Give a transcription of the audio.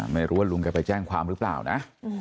ไม่รู้ว่าลุงแกไปแจ้งความหรือเปล่านะ